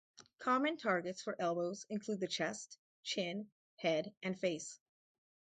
Common targets for elbows include the chest, chin, head, and face.